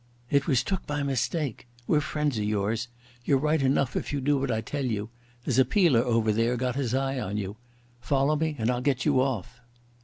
"It was took by mistake. We're friends o' yours. You're right enough if you do what I tell you. There's a peeler over there got his eye on you. Follow me and I'll get you off."